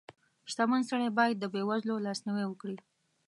• شتمن سړی باید د بېوزلو لاسنیوی وکړي.